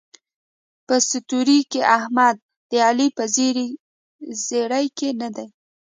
په ستروۍ کې احمد د علي په زېري کې نه دی.